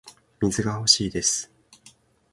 水が欲しいです